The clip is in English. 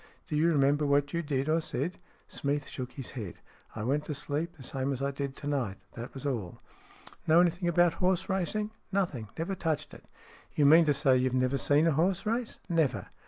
Do you remember what you did, or said ?" Smeath shook his head. " I went to sleep, the same as I did to night. That was all." " Know anything about horse racing ?"" Nothing. Never touched it." " You mean to say you've never seen a horse race?" " Never."